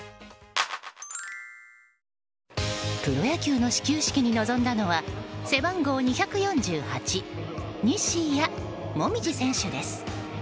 プロ野球の始球式に臨んだのは背番号２４８、西矢椛選手です。